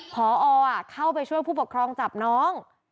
พอเข้าไปช่วยผู้ปกครองจับน้อง